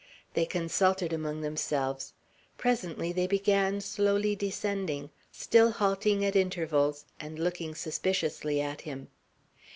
They consulted among themselves; presently they began slowly descending, still halting at intervals, and looking suspiciously at him.